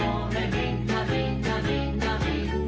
みんなみんなみんなみんな」